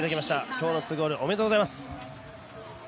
今日の２ゴール、おめでとうございます。